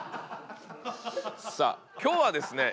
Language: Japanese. さあ今日はですね